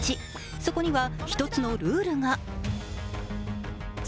そこには、一つのルールが。